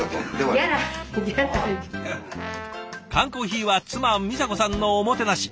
缶コーヒーは妻美佐子さんのおもてなし。